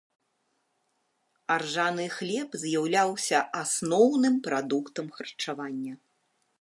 Аржаны хлеб з'яўляўся асноўным прадуктам харчавання.